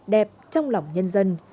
đẹp trong lòng nhân dân